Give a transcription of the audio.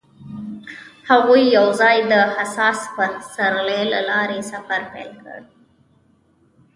هغوی یوځای د حساس پسرلی له لارې سفر پیل کړ.